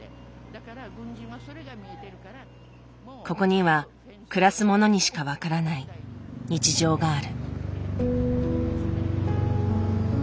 ここには暮らす者にしか分からない日常がある。